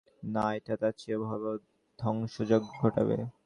না, এটা তার চেয়েও ভয়াবহ ধ্বংসযজ্ঞ ঘটাবে!